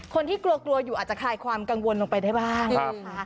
คนที่กลัวกลัวอยู่อาจจะคลายความกังวลลงไปได้บ้างนะคะ